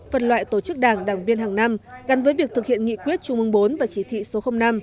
phân loại tổ chức đảng đảng viên hàng năm gắn với việc thực hiện nghị quyết trung ương bốn và chỉ thị số năm